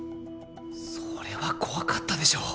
それは怖かったでしょう。